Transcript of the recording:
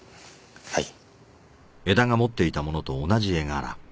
はい。